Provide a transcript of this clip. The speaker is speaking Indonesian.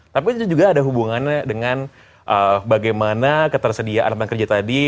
tapi itu juga ada hubungannya dengan bagaimana ketersediaan lapangan kerja tadi